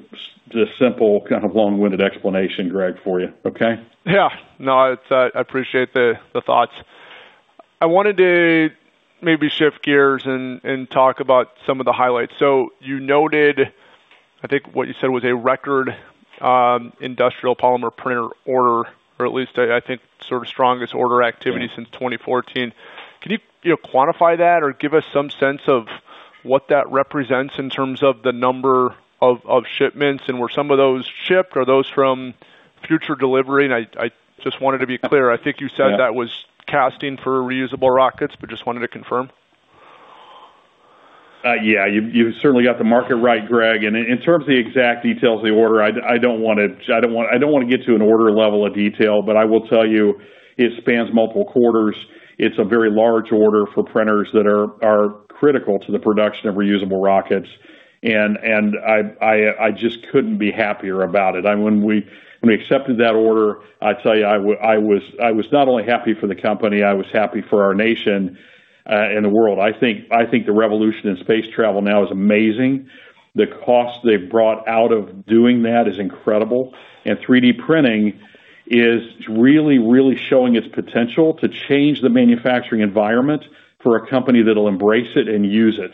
simple kind of long-winded explanation, Greg, for you. Okay? Yeah. No, I appreciate the thoughts. I wanted to maybe shift gears and talk about some of the highlights. You noted, I think what you said was a record industrial polymer printer order, or at least I think sort of strongest order activity, Yeah. Since 2014. Can you quantify that or give us some sense of what that represents in terms of the number of shipments and were some of those shipped? Are those from future delivery? I just wanted to be clear. I think you said that was casting for reusable rockets, but just wanted to confirm. Yeah, you certainly got the market right, Greg. In terms of the exact details of the order, I don't want to get to an order level of detail, I will tell you it spans multiple quarters. It's a very large order for printers that are critical to the production of reusable rockets, I just couldn't be happier about it. When we accepted that order, I tell you, I was not only happy for the company, I was happy for our nation and the world. I think the revolution in space travel now is amazing. The cost they've brought out of doing that is incredible. 3D printing is really showing its potential to change the manufacturing environment for a company that'll embrace it and use it.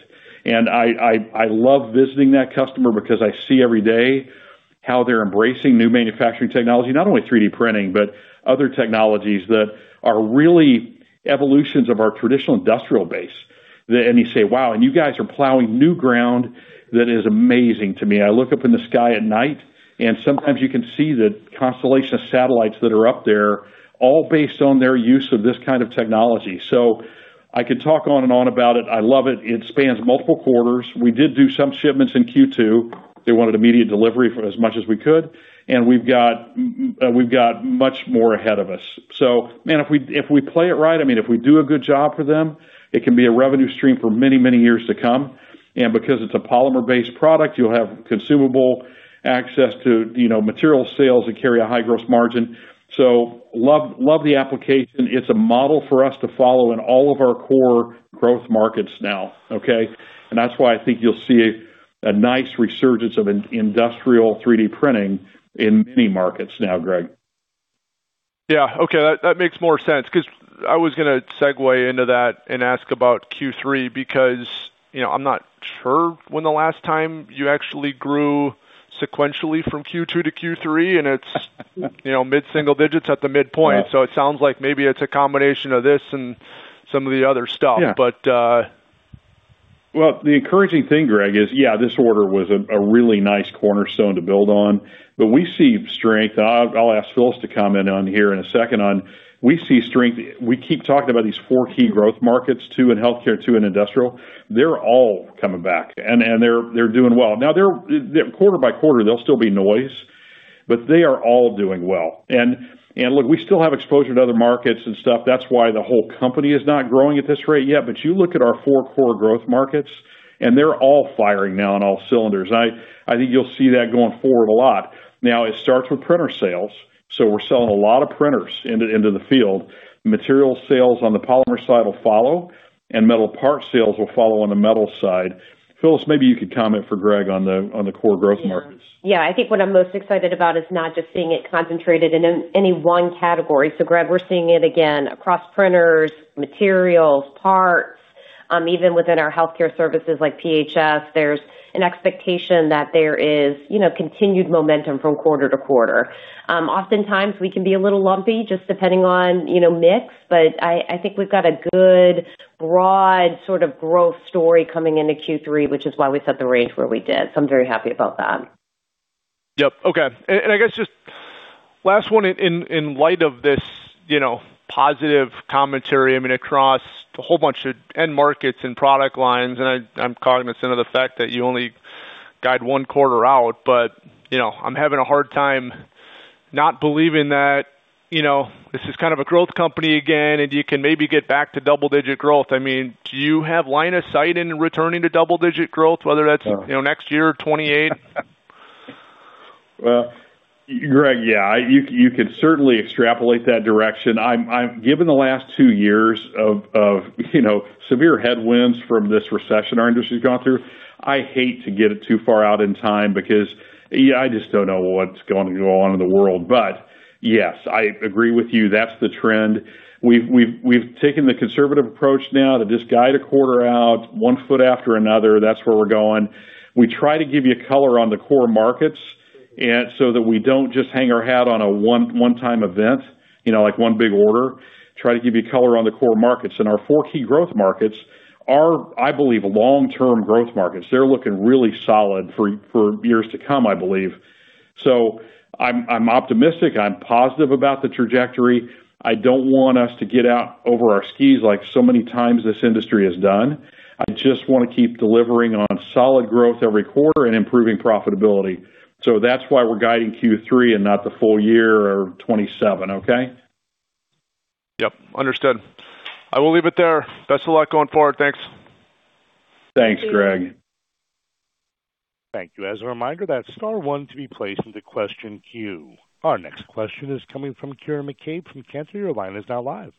I love visiting that customer because I see every day how they're embracing new manufacturing technology, not only 3D printing, but other technologies that are really evolutions of our traditional industrial base. You say, "Wow." You guys are plowing new ground that is amazing to me. I look up in the sky at night, sometimes you can see the constellation of satellites that are up there, all based on their use of this kind of technology. I could talk on and on about it. I love it. It spans multiple quarters. We did do some shipments in Q2. They wanted immediate delivery for as much as we could, and we've got much more ahead of us. Man, if we play it right, if we do a good job for them, it can be a revenue stream for many years to come. Because it's a polymer-based product, you'll have consumable access to material sales that carry a high gross margin. Love the application. It's a model for us to follow in all of our core growth markets now. Okay? That's why I think you'll see a nice resurgence of industrial 3D printing in many markets now, Greg. Yeah. Okay. That makes more sense because I was going to segue into that and ask about Q3 because I'm not sure when the last time you actually grew sequentially from Q2 to Q3, it's mid-single digits at the midpoint. Yeah. It sounds like maybe it's a combination of this and some of the other stuff. Yeah. But, Well, the encouraging thing, Greg, is, yeah, this order was a really nice cornerstone to build on. We see strength. I'll ask Phyllis to comment on here in a second. We see strength. We keep talking about these four key growth markets, two in healthcare, two in industrial. They're all coming back, and they're doing well. Quarter-by-quarter, there'll still be noise, but they are all doing well. Look, we still have exposure to other markets and stuff. That's why the whole company is not growing at this rate yet. You look at our four core growth markets, and they're all firing now on all cylinders. I think you'll see that going forward a lot. It starts with printer sales. We're selling a lot of printers into the field. Material sales on the polymer side will follow, metal part sales will follow on the metal side. Phyllis, maybe you could comment for Greg on the core growth markets. Yeah. I think what I'm most excited about is not just seeing it concentrated in any one category. Greg, we're seeing it again across printers, materials, parts. Even within our healthcare services like PHS, there's an expectation that there is continued momentum from quarter to quarter. Oftentimes, we can be a little lumpy just depending on mix, I think we've got a good broad sort of growth story coming into Q3, which is why we set the range where we did. I'm very happy about that. Yep. Okay. I guess just last one in light of this positive commentary, I mean, across a whole bunch of end markets and product lines, and I'm cognizant of the fact that you only guide one quarter out, but I'm having a hard time not believing that this is kind of a growth company again, and you can maybe get back to double-digit growth. Do you have line of sight in returning to double-digit growth, whether that's next year, 2028? Well, Greg, yeah, you can certainly extrapolate that direction. Given the last two years of severe headwinds from this recession our industry's gone through, I hate to get it too far out in time because I just don't know what's going to go on in the world. Yes, I agree with you. That's the trend. We've taken the conservative approach now to just guide a quarter out, one foot after another. That's where we're going. We try to give you color on the core markets, that we don't just hang our hat on a one-time event, like one big order, try to give you color on the core markets. Our four key growth markets are, I believe, long-term growth markets. They're looking really solid for years to come, I believe. I'm optimistic, I'm positive about the trajectory. I don't want us to get out over our skis like so many times this industry has done. I just want to keep delivering on solid growth every quarter and improving profitability. That's why we're guiding Q3 and not the full year or 2027, okay? Yep, understood. I will leave it there. Best of luck going forward. Thanks. Thanks, Greg. Thank you. As a reminder, that's star one to be placed into question queue. Our next question is coming from Kieran McCabe from Cantor Fitzgerald. Your line is now live.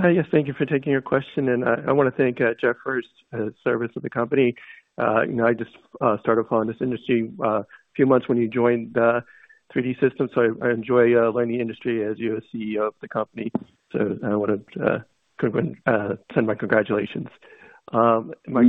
Hi. Yes, thank you for taking our question, and I want to thank Jeffrey Graves service to the company. I just started following this industry a few months when you joined 3D Systems, so I enjoy learning the industry as you're CEO of the company. I want to go and send my congratulations. Hey,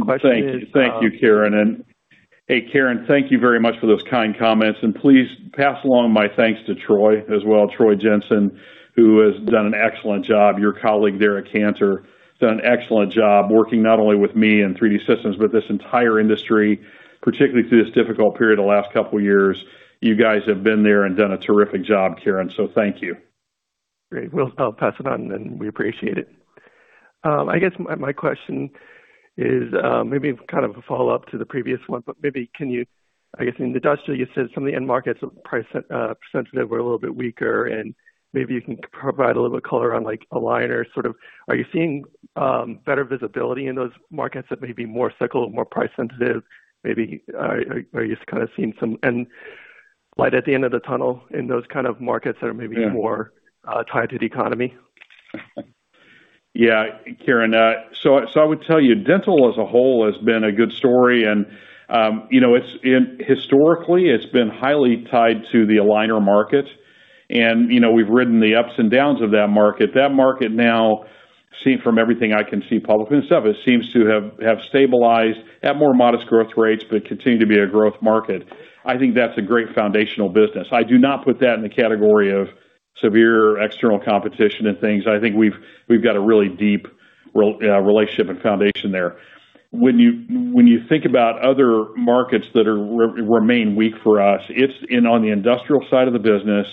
Kieran, thank you very much for those kind comments, and please pass along my thanks to Troy as well, Troy Jensen, who has done an excellent job. Your colleague there at Cantor Fitzgerald, done an excellent job working not only with me and 3D Systems, but this entire industry, particularly through this difficult period the last couple of years. You guys have been there and done a terrific job, Kieran, so thank you. Great. Will pass it on, and we appreciate it. I guess my question is maybe kind of a follow-up to the previous one, but maybe I guess in industrial, you said some of the end markets are price sensitive, were a little bit weaker, and maybe you can provide a little bit color on, like, aligner sort of. Are you seeing better visibility in those markets that may be more cycle, more price sensitive? Maybe are you kind of seeing some light at the end of the tunnel in those kind of markets that are maybe more tied to the economy? Kieran, I would tell you, dental as a whole has been a good story, and historically, it's been highly tied to the aligner market. We've ridden the ups and downs of that market. That market now, seen from everything I can see publicly and stuff, it seems to have stabilized at more modest growth rates but continue to be a growth market. I think that's a great foundational business. I do not put that in the category of severe external competition and things. I think we've got a really deep relationship and foundation there. When you think about other markets that remain weak for us, it's on the industrial side of the business,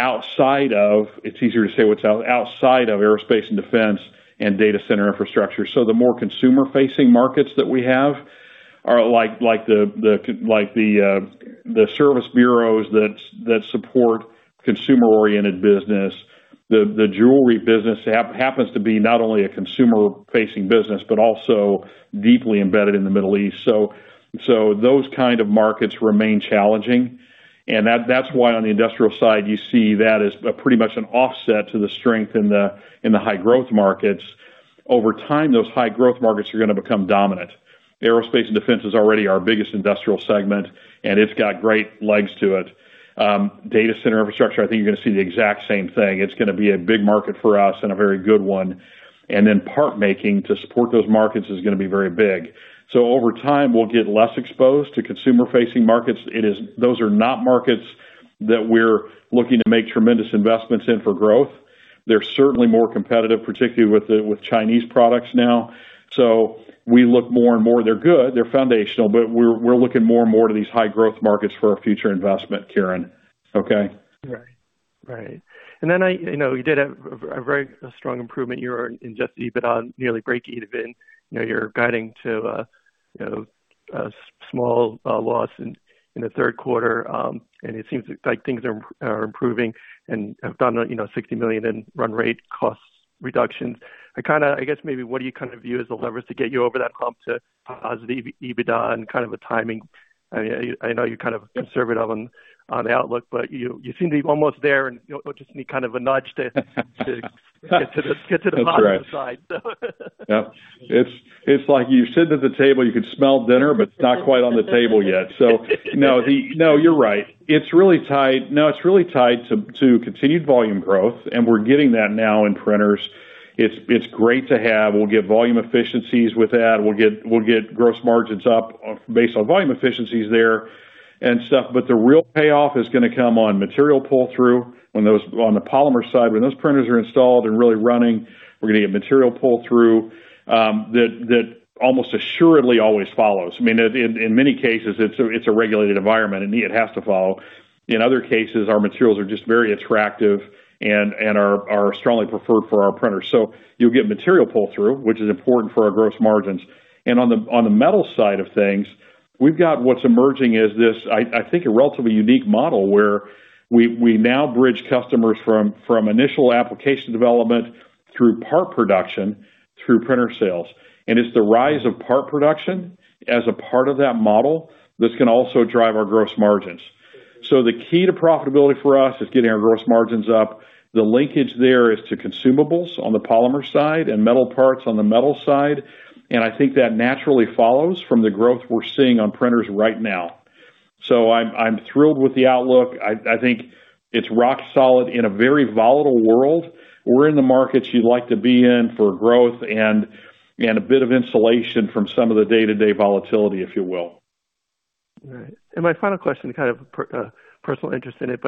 outside of, it's easier to say what's out, outside of aerospace and defense and data center infrastructure. The more consumer-facing markets that we have are like the service bureaus that support consumer-oriented business. The jewelry business happens to be not only a consumer-facing business, but also deeply embedded in the Middle East. Those kind of markets remain challenging, and that's why on the industrial side, you see that as pretty much an offset to the strength in the high growth markets. Over time, those high growth markets are going to become dominant. Aerospace and defense is already our biggest industrial segment, and it's got great legs to it. Data center infrastructure, I think you're going to see the exact same thing. It's going to be a big market for us and a very good one. Part making to support those markets is going to be very big. Over time, we'll get less exposed to consumer-facing markets. Those are not markets that we're looking to make tremendous investments in for growth. They're certainly more competitive, particularly with Chinese products now. We look more and more, they're good, they're foundational, but we're looking more and more to these high growth markets for our future investment, Kieran. Okay? Right. You did a very strong improvement year in just EBITDA, nearly break to even. You're guiding to a small loss in the Q3. It seems like things are improving and have done $60 million in run rate cost reductions. I guess maybe what do you kind of view as the levers to get you over that hump to positive EBITDA and kind of a timing? I know you're kind of conservative on the outlook, you seem to be almost there, and you just need kind of a nudge to get to the positive side. That's right. Yep. It's like you're sitting at the table, you can smell dinner, it's not quite on the table yet. No. You're right. It's really tied to continued volume growth. We're getting that now in printers. It's great to have. We'll get volume efficiencies with that. We'll get gross margins up based on volume efficiencies there and stuff. The real payoff is going to come on material pull-through on the polymer side. When those printers are installed and really running, we're going to get material pull-through that almost assuredly always follows. I mean, in many cases, it's a regulated environment, it has to follow. In other cases, our materials are just very attractive and are strongly preferred for our printers. You'll get material pull-through, which is important for our gross margins. On the metal side of things, we've got what's emerging is this, I think, a relatively unique model where we now bridge customers from initial application development through part production, through printer sales. It's the rise of part production as a part of that model that's going to also drive our gross margins. The key to profitability for us is getting our gross margins up. The linkage there is to consumables on the polymer side and metal parts on the metal side. I think that naturally follows from the growth we're seeing on printers right now. I'm thrilled with the outlook. I think it's rock solid in a very volatile world. We're in the markets you'd like to be in for growth and a bit of insulation from some of the day-to-day volatility, if you will. Right. My final question, kind of personal interest in it's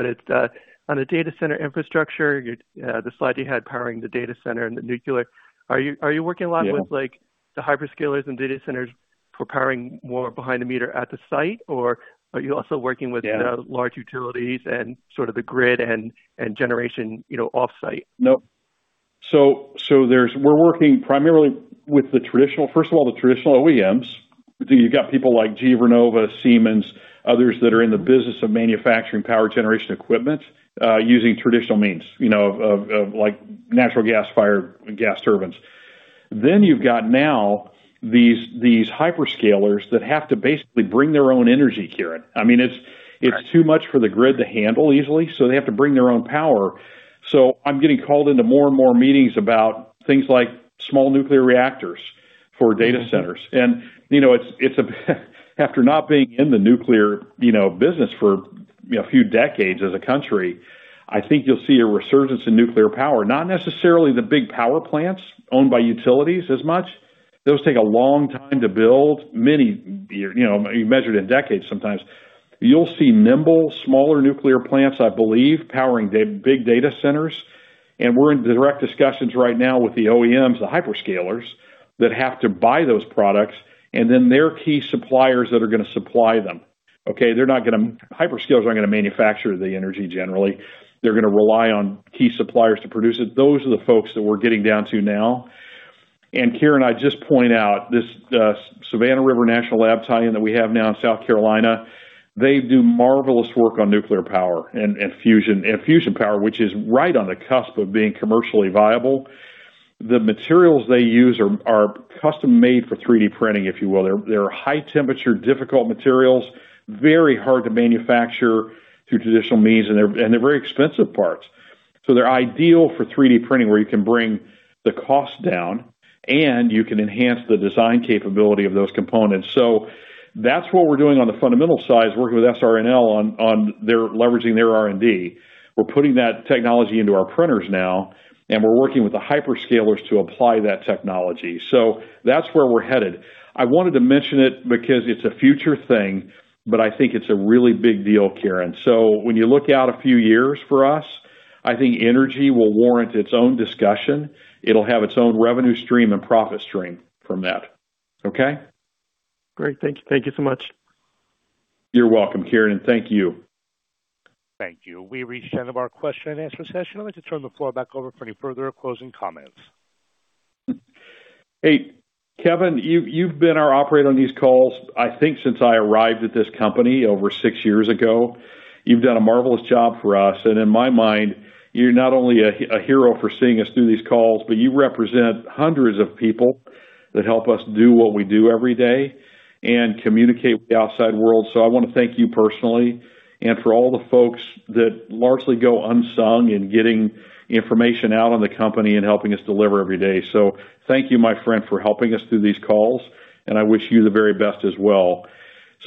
on the data center infrastructure, the slide you had powering the data center and the nuclear. Are you working a lot with the hyperscalers and data centers for powering more behind the meter at the site? Are you also working with large utilities and sort of the grid and generation offsite? Nope. We're working primarily with the traditional, first of all, the traditional OEMs. You've got people like GE Vernova, Siemens, others that are in the business of manufacturing power generation equipment using traditional means of like natural gas fire and gas turbines. You've got now these hyperscalers that have to basically bring their own energy, Kieran. I mean, it's too much for the grid to handle easily, they have to bring their own power. I'm getting called into more and more meetings about things like small nuclear reactors for data centers. After not being in the nuclear business for a few decades as a country, I think you'll see a resurgence in nuclear power. Not necessarily the big power plants owned by utilities as much. Those take a long time to build. You measure it in decades sometimes. You'll see nimble, smaller nuclear plants, I believe, powering big data centers. We're in direct discussions right now with the OEMs, the hyperscalers, that have to buy those products, their key suppliers that are going to supply them. Okay? Hyperscalers aren't going to manufacture the energy generally. They're going to rely on key suppliers to produce it. Those are the folks that we're getting down to now. Kieran, I'd just point out, this Savannah River National Lab tie-in that we have now in South Carolina, they do marvelous work on nuclear power and fusion power, which is right on the cusp of being commercially viable. The materials they use are custom-made for 3D printing, if you will. They're high-temperature, difficult materials, very hard to manufacture through traditional means, and they're very expensive parts. They're ideal for 3D printing, where you can bring the cost down and you can enhance the design capability of those components. That's what we're doing on the fundamental side is working with SRNL on leveraging their R&D. We're putting that technology into our printers now, and we're working with the hyperscalers to apply that technology. That's where we're headed. I wanted to mention it because it's a future thing, but I think it's a really big deal, Kieran. When you look out a few years for us, I think energy will warrant its own discussion. It'll have its own revenue stream and profit stream from that. Okay? Great. Thank you so much. You're welcome, Kieran. Thank you. Thank you. We've reached the end of our question and answer session. I'd like to turn the floor back over for any further closing comments. Hey, Kevin, you've been our operator on these calls, I think since I arrived at this company over six years ago. You've done a marvelous job for us. In my mind, you're not only a hero for seeing us through these calls, but you represent hundreds of people that help us do what we do every day and communicate with the outside world. I want to thank you personally and for all the folks that largely go unsung in getting information out on the company and helping us deliver every day. Thank you, my friend, for helping us through these calls, and I wish you the very best as well.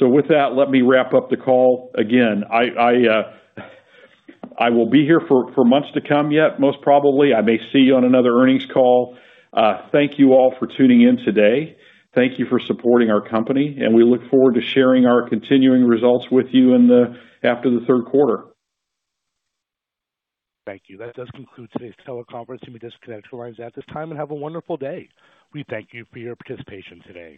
With that, let me wrap up the call. Again, I will be here for months to come yet, most probably. I may see you on another earnings call. Thank you all for tuning in today. Thank you for supporting our company, and we look forward to sharing our continuing results with you after the Q3. Thank you. That does conclude today's teleconference. You may disconnect your lines at this time, and have a wonderful day. We thank you for your participation today.